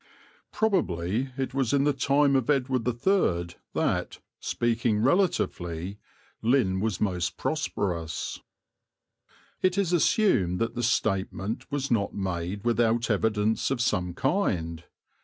"Probably it was in the time of Edward III that, speaking relatively, Lynn was most prosperous." It is assumed that the statement was not made without evidence of some kind.